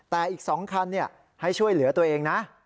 แต่อีก๒คันให้ช่วยเหลือตัวเองนะ